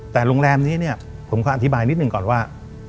แต่โรงแรมนี้เนี่ยผมก็อธิบายนิดหนึ่งก่อนว่า